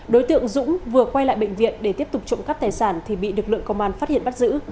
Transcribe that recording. đối tượng dũng vừa quay lại bệnh viện để tiếp tục trộm cắp tài sản thì bị lực lượng công an phát hiện bắt giữ